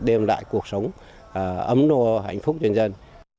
đem lại cuộc sống ấm no hạnh phúc cho nhân dân